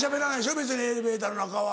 別にエレベーターの中は。